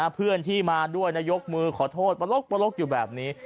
เพื่อนที่มาด้วยยกมือขอโทษปลกอยู่แบบนี้